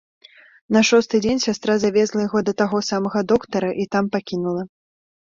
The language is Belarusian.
На шосты дзень сястра завезла яго да таго самага доктара і там пакінула.